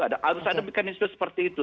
harus ada mekanisme seperti itu